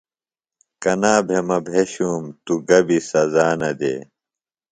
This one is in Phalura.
کنا بھےۡ مہ بھیشُوۡم توۡ گہ بیۡ سزا نہ دےۡ۔